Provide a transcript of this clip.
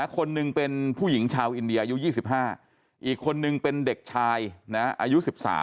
คนหนึ่งเป็นผู้หญิงชาวอินเดียอายุ๒๕อีกคนนึงเป็นเด็กชายอายุ๑๓